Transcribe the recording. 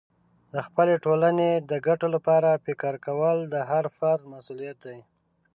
د خپلې ټولنې د ګټو لپاره فکر کول د هر فرد مسئولیت دی.